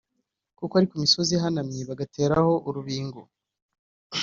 kuko ari ku misozi ihanamye bagateraho urubingo